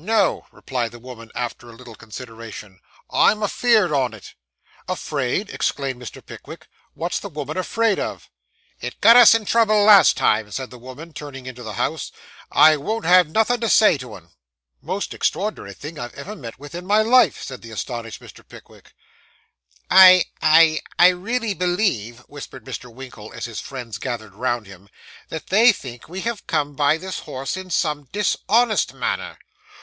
'No,' replied the woman, after a little consideration, 'I'm afeerd on it.' 'Afraid!' exclaimed Mr. Pickwick, 'what's the woman afraid of?' 'It got us in trouble last time,' said the woman, turning into the house; 'I woan't have nothin' to say to 'un.' 'Most extraordinary thing I have ever met with in my life,' said the astonished Mr. Pickwick. 'I I really believe,' whispered Mr. Winkle, as his friends gathered round him, 'that they think we have come by this horse in some dishonest manner.